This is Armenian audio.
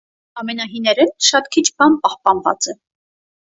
Ամենահիներէն շատ քիչ բան պահպանուած է։